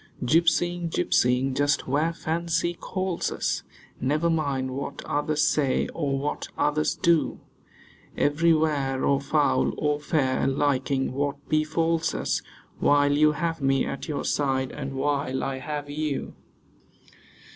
Gypsying, gypsying, just where fancy calls us; Never mind what others say, or what others do. Everywhere or foul or fair, liking what befalls us: While you have me at your side, and while I have you.